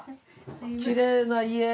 きれいな家。